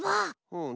うん。